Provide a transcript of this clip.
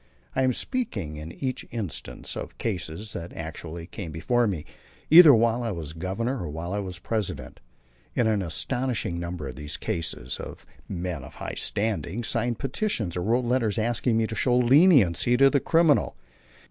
I am speaking in each instance of cases that actually came before me, either while I was Governor or while I was President. In an astonishing number of these cases men of high standing signed petitions or wrote letters asking me to show leniency to the criminal.